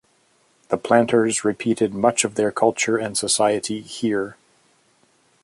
The planters repeated much of their culture and society here.